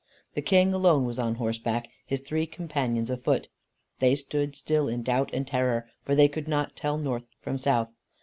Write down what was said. The King alone was on horseback, his three companions afoot. They stood still in doubt and terror, for they could not tell north from south.